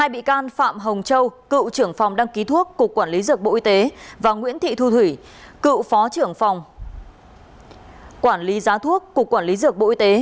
hai bị can phạm hồng châu cựu trưởng phòng đăng ký thuốc cục quản lý dược bộ y tế và nguyễn thị thu thủy cựu phó trưởng phòng quản lý giá thuốc cục quản lý dược bộ y tế